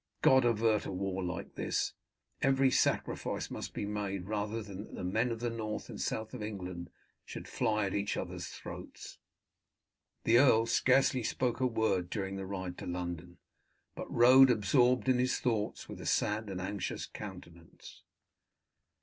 God avert a war like this. Every sacrifice must be made rather than that the men of the north and south of England should fly at each other's throats." The earl scarcely spoke a word during the ride to London, but rode absorbed in his thoughts with a sad and anxious countenance.